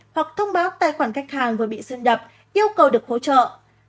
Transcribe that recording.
hoặc thông báo tài khoản khách hàng vừa bị xin đập yêu cầu được hỗ trợ